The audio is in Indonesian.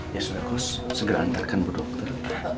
ya sudah kos segera antarkan bu dokter